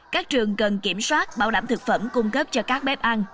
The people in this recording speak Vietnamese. các trường cần kiểm soát bảo đảm thực phẩm cung cấp cho các bếp ăn